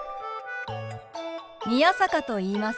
宮坂と言います。